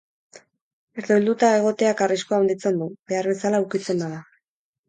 Herdoilduta egoteak arriskua handitzen du, behar bezala ukitzen bada.